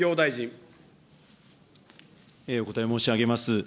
お答え申し上げます。